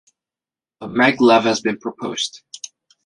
A maglev has been proposed.